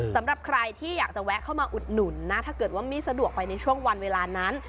สำหรับใครที่อยากจะแวะเข้ามาอุดหนุนนะถ้าเกิดว่าไม่สะดวกไปในช่วงวันเวลานั้น